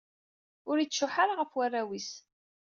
Ur ittcuḥḥu ara ɣef warraw-is.